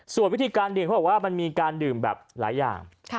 ส่วนวิธีการดื่มเขาบอกว่ามันมีการดื่มแบบหลายอย่าง